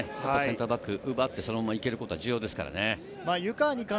センターバック、奪ってそこ、そのまま行けるってことは重要ですね。